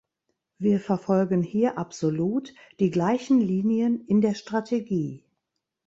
Wir verfolgen hier absolut die gleichen Linien in der Strategie.